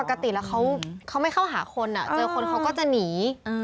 ปกติแล้วเขาไม่เข้าหาคนเจอคนเขาก็จะหนี